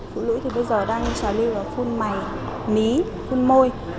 phụ nữ thì bây giờ đang trả lưu vào phun mày mí phun môi